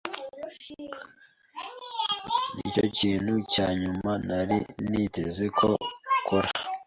Nicyo kintu cya nyuma nari niteze ko ukora.